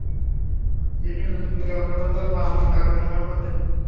তিনি নতুন করে অন্য কোথাও রোপা আমন লাগানোর সাহস করছেন না।